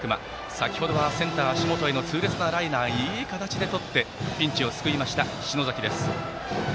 先程はセンター足元への痛烈なライナーをいい形でとってピンチを救いました、篠崎です。